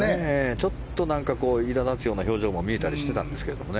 ちょっとなんかいら立つような表情も見えたりしてたんですけどね。